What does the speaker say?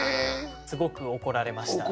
すごく怒られました。